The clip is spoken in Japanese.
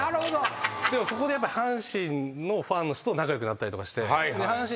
でもそこで阪神のファンの人と仲良くなったりとかして。